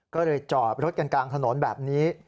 ก็เลยจอดรถกันกลางถนนแบบนี้